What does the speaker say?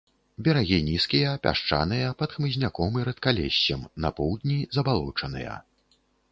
Берагі нізкія, пясчаныя, пад хмызняком і рэдкалессем, на поўдні забалочаныя.